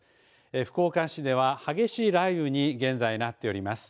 福岡市では激しい雷雨に現在なっております。